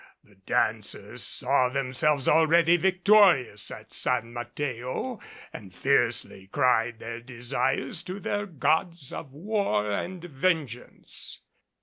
The dancers saw themselves already victorious at San Mateo and fiercely cried their desires to their gods of war and vengeance.